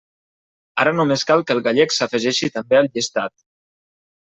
Ara només cal que el gallec s'afegeixi també al llistat.